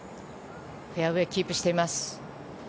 フェアウェーキープしています。